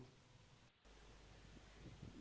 berikutnya dari jawa timur adalah sidoarjo